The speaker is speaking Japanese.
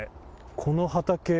この畑。